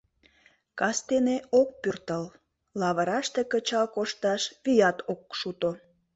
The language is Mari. Кастене ок пӧртыл, лавыраште кычал кошташ вият ок шуто...